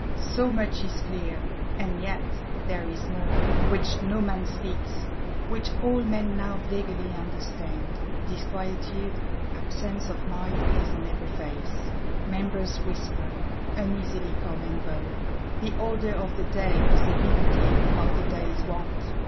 So much is clear. And yet there is more, which no man speaks, which all men now vaguely understand. Disquietude, absence of mind is on every face; Members whisper, uneasily come and go: the order of the day is evidently not the day's want.